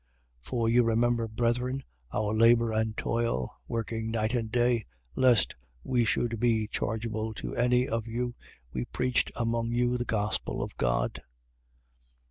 2:9. For you remember, brethren, our labour and toil: working night and day, lest we should be chargeable to any of you, we preached among you the gospel of God.